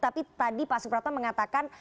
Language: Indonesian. tapi tadi pak supratman mengatakan